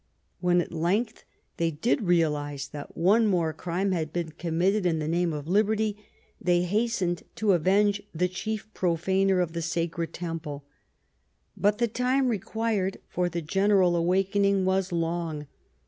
When, at length, tlicy did realise that one more crime had been committed in the name of liberty, they hastened to avenge the chief profaner of the sacred temple. But the time required for the general awakening was long.